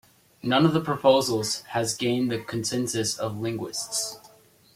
None of the proposals has gained the consensus of linguists.